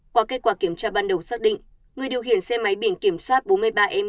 qua kết quả kiểm tra ban đầu xác định người điều khiển xe máy biển kiểm soát bốn mươi ba e một bảy trăm hai mươi tám